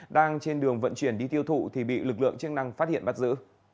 đang trên đường vận chuyển đi tiêu thụ thì bị lực lượng chức năng phát hiện bắt giữ